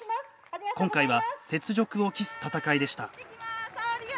今回は、雪辱を期す戦いでした。